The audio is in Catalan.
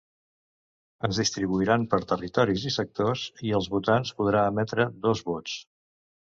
Es distribuiran per territoris i sectors i els votants podran emetre dos vots.